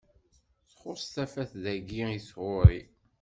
Txuṣṣ tafat dayi i tɣuri.